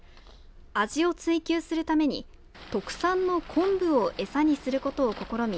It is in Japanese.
味を追求するために特産のコンブを餌にすることを試み